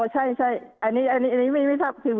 อ๋อใช่อันนี้ไม่ตรงนั้น